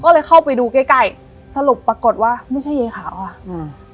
ก็เลยเข้าไปดูใกล้ใกล้สรุปปรากฏว่าไม่ใช่ยายขาวอ่ะอืม